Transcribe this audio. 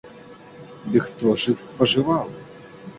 Дык хто ж іх спажываў?